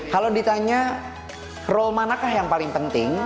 kalau ditanya role manakah yang paling penting